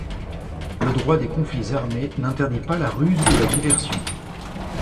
Le droit des conflits armés n'interdit pas la ruse ou la diversion.